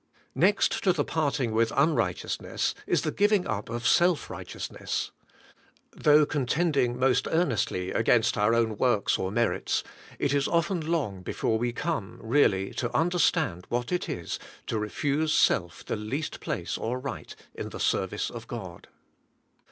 Next to the parting with unrighteousness is the giving up of self righteousness. Though contending most earnestly against our own works or merits, it is often long before we come really to understand what it is to refuse self the least place or right in the ser vice of God.